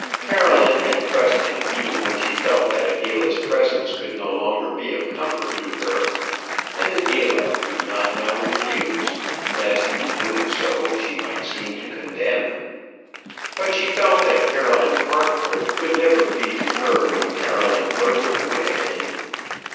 Caroline had pressed it even when she felt that Adela's presence could no longer be of comfort to her; and Adela would not now refuse, lest in doing so she might seem to condemn. But she felt that Caroline Harcourt could never be to her what Caroline Bertram would have been.